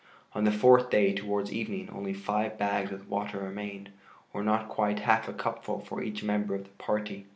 On the fourth day towards evening only five bags with water remained, or not quite half a cupful for each member of the party.